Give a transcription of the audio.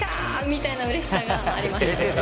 みたいなうれしさがありました。